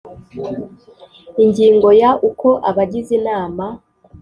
Ingingo ya uko abagize inama